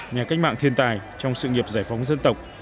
nhà cách mạng thiên tài trong sự nghiệp giải phóng dân tộc